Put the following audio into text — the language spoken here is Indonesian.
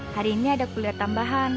hari ini ada kuliner tambahan